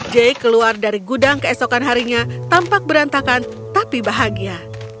jake keluar dari gudang keesokan harinya tampak berantakan tapi bahagia